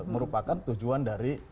merupakan tujuan dari